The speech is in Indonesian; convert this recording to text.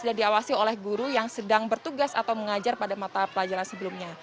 dan diawasi oleh guru yang sedang bertugas atau mengajar pada mata pelajaran sebelumnya